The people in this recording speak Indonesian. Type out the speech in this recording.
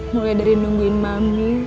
mulai dari nungguin mami